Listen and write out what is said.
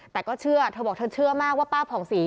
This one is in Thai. แต่ก็เชื่อเธอบอกเธอเชื่อมากว่าป้าผ่องศรี